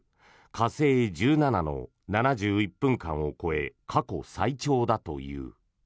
火星１７の７１分間を超え過去最長だという。